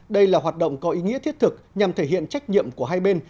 đây là hoạt động có ý nghĩa thiết thực nhằm thể hiện trách nhiệm của hai bên